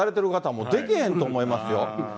もう、できへんと思いますよ。